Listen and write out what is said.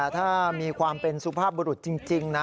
ถ้ามีความเป็นสุภาพบรุษจริงนะ